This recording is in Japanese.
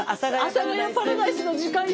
阿佐ヶ谷パラダイスの時間よ。